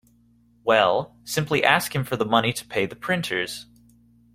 Well, simply ask him for the money to pay the printers.